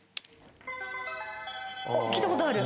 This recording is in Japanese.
聞いたことある！